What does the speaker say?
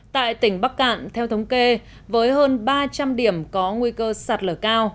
tại tỉnh bắc cạn theo thống kê với hơn ba trăm linh điểm có nguy cơ sạt lở cao